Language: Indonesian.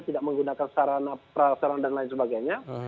tidak menggunakan sarana prasarana dan lain sebagainya